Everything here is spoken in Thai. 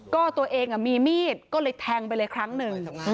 ก็ตัวเองมีมีดก็เลยแทงไปเลยครั้งหนึ่ง